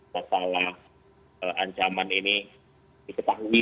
masalah ancaman ini diketahui